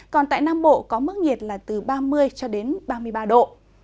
còn tại nam bộ có mức nhiệt là từ ba mươi ba mươi ba độ